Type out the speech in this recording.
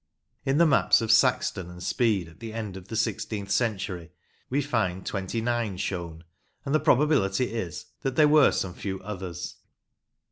In the maps of Saxton and Speed at the end of the sixteenth century, we find twenty nine shewn, and the probability is that there were some few others.